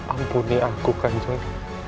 ampuni aku kanjar